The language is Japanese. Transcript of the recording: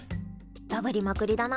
ダブりまくりだな。